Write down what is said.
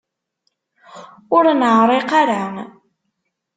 Ur neεriq ara.